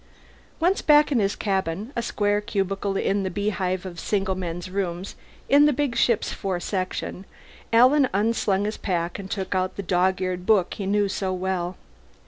Once back in his cabin, a square cubicle in the beehive of single men's rooms in the big ship's fore section, Alan unslung his pack and took out the dog eared book he knew so well.